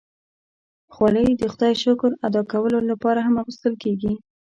خولۍ د خدای شکر ادا کولو لپاره هم اغوستل کېږي.